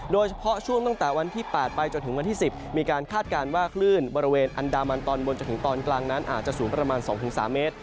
โดยเฉพาะช่วงตั้งแต่วันที่๘ไปจนถึงวันที่๑๐มีการคาดการณ์ว่าคลื่นบริเวณอันดามันตอนบนจนถึงตอนกลางนั้นอาจจะสูงประมาณ๒๓เมตร